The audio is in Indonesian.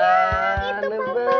wah lembar lagi